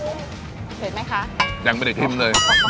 คนที่มาทานอย่างเงี้ยควรจะมาทานแบบคนเดียวนะครับ